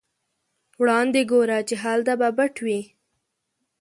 وړاندې ګوره چې هلته به پټ وي.